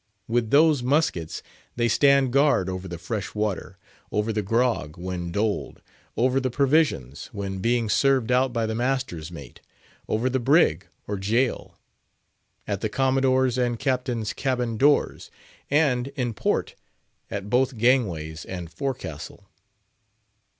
With those muskets they stand guard over the fresh water; over the grog, when doled; over the provisions, when being served out by the Master's mate; over the "brig" or jail; at the Commodore's and Captain's cabin doors; and, in port, at both gangways and forecastle.